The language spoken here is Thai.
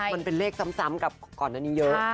มันเป็นเลขซ้ำกับก่อนอันนี้เยอะ